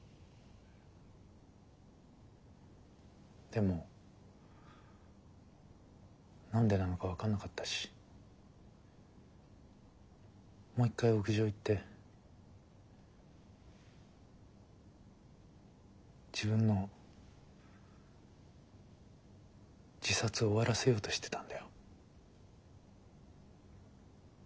でも何でなのか分かんなかったしもう一回屋上行って自分の自殺を終わらせようとしてたんだよ。